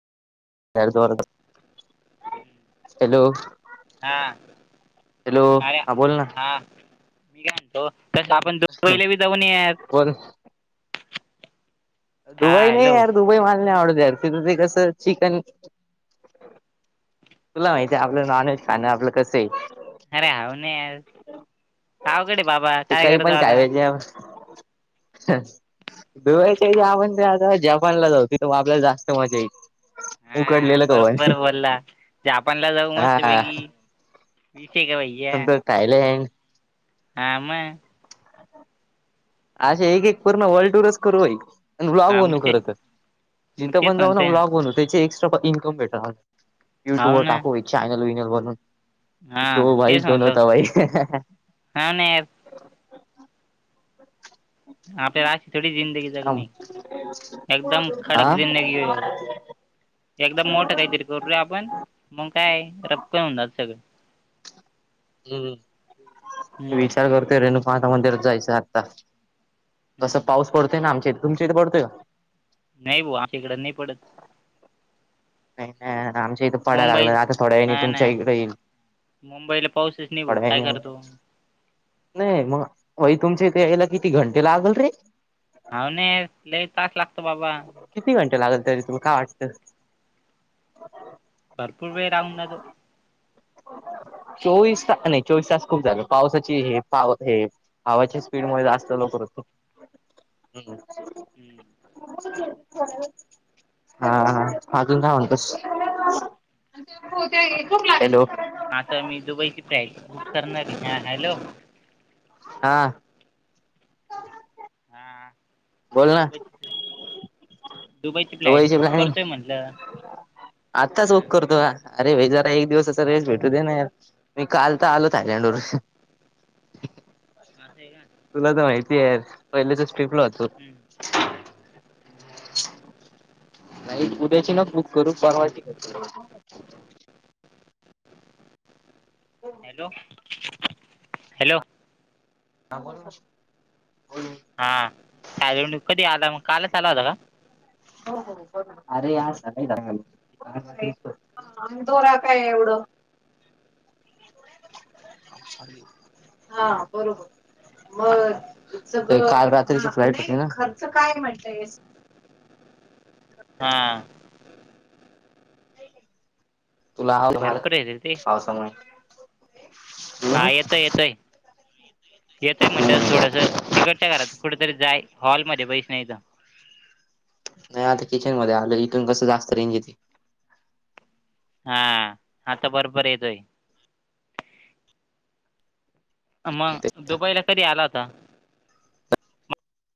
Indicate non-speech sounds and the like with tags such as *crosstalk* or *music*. Hello हा hello आ बोल ना हा मी काय म्हणतो तस आपण दु पहिले बी जाऊनत बोल दुबई नाही हॅलो यार दुबई माल नाही आवडत यार तिथं ते कसं चिकन तुला माहिती आहे आपलं नॉनव्हेज खाणं आपलं कसं आहे अरे हाव न सावकडे बाबा ते काय करत आता हा दु्याच्या आपण ते आता जपानला जाऊ तथग आपल्याला जास्त मजा यची उकडलेलं काय रला जापानला जाऊ मस्त पैकी विस आहे का भाहिे कायले ह हाम अा एक एक पूर्ण वर्ल्ड टूरच करू एक ब्लॉग हां मग बनू ते खरतच मग जिथं तेच पण जाऊ म्हणतो ना आहे ब्लॉग बनू त्याचे एक इन्कम भेट युट्यूब हो वर ना टाकू चॅनल विनल बरून दो हां भाई दोनोता भाई हा आपल्यालाची थोडी जिंदगी एकदम हा खडक जिंदगी हो एकदम मोठ काही त करूया आपण मग काय रपक होात सगळं हम् ह हम्म विचार करतोय रेणुकाांता मंदिरच जायचं आता कसं हम्म पाऊस पडतोय ना आमच्या तुम इथे पडतोय नाही भा आमच्या इकड नाही पडत नाही नाही आमचे पडाय लाग मुंबई ना आता थोड्या वणी हा तुमच्या इकडे नाही येईल मुंबईला पाऊसच नाही भाऊ थोड्या काय व करतो हो नाही मग वई तुमच्या इथे यायला किती घंटे लागल रे ह न लई तास लागतो बाबा किती घंटे लागल तरी तुम्ला काय वाटतं भरपूर पे राणाद *unintelligible* चोवीस तास नाही चोवीस तास खूप जालं पावसाची हे पाव हे हवाच्या स्पीड म जास्त लोक हम्म, हा हा अजून का म्हणतस काही नाही हॅलो आता मी दुबईची फ बुक करणार हॅलो हा हां आता बोल ना. दुबई दुबईची फ्लाइट बुक करतोय म्हटलं आत्ताच हां ओक करतो अरे भाई जरा एक दिवसाचा रेस भेटू दे नाही मी काल तर आलो थायलंड वर अस आहे का तुला तर माहितीय आहे पहिल्याच स्ट्रिप्टला होतो हम *unintelligible* नाहीईट उद्याची न बुक करू परवा टिकटू हॅलो हॅलो ह बोल बोल हा चाले कधी आला काल चाला होता का अरे या स दखल ोरा काय एवढं हा बरोबर म काल रात्रीची फ्लाईट हो खर्च काय म्हण हा तुला आ मला भरपूर आहे रे ते पावसामुळे हा येतय येतय येतय म्हणलं थोडसं तिकटच्या घरात कुठेतरी जाय हॉलमध्येध्ये बैस नाहीथ नाही आता किचन मध्ये आलं इथून कसं जास्त रेंजेते हा आता बरोबर येतोय मग दुबईला कधी आला होता